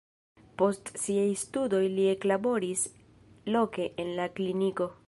Post siaj studoj li eklaboris loke en la kliniko.